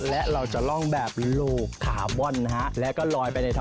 พี่ต้องฟิตมากเลย